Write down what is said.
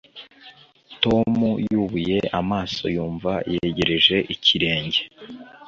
Tom yubuye amaso yumva yegereje ikirenge.